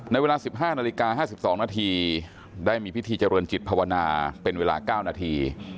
ในเวลาสิบห้านาฬิกาห้าสิบสองนาทีได้มีพิธีจรวรจิตภาวนาเป็นเวลาเก้านาที